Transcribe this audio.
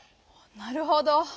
なるほど。